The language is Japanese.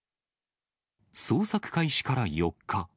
捜索開始から４日。